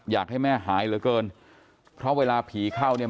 อยากให้แม่หายเหลือเกินเพราะเวลาผีเข้าเนี่ย